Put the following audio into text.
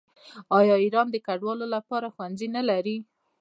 آیا ایران د کډوالو لپاره ښوونځي نلري؟